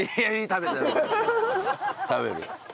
食べる！